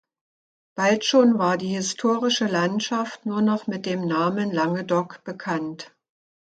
Bald schon war die historische Landschaft nur noch mit dem Namen Languedoc bekannt.